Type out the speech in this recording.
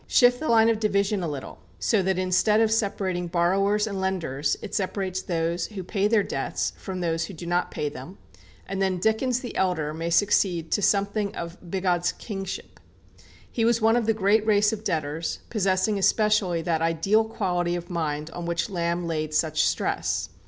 Shift the line of division a little, so that instead of separating borrowers and lenders, it separates those who pay their debts from those who do not pay them, and then Dickens the elder may succeed to something of Bigod's kingship. He was of the great race of debtors, possessing especially that ideal quality of mind on which Lamb laid such stress.